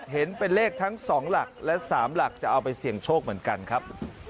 เห็นเป็นเลขทั้ง๒หลักและ๓หลักจะเอาไปเสี่ยงโชคเหมือนกันครับ